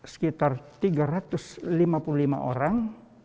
sekitar tiga ratus lima puluh lima orang